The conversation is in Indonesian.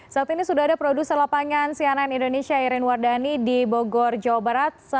saat ini sudah ada produser lapangan cnn indonesia irin wardani di bogor jawa barat